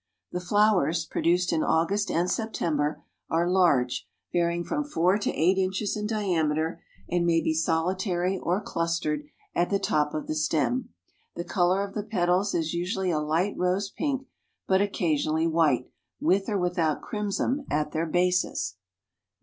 The flowers, produced in August and September, are large, varying from four to eight inches in diameter, and may be solitary or clustered at the top of the stem. The color of the petals is usually a light rose pink, but occasionally white, with or without crimson at their bases.